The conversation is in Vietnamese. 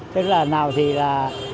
tức là nào thì là